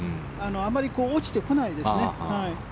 あまり落ちてこないですね。